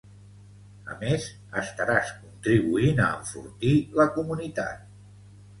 A més estaràs contribuint a enfortir la comunitat